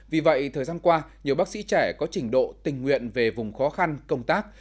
vì vậy thời gian qua nhiều bác sĩ trẻ có trình độ tình nguyện về vùng khó khăn công tác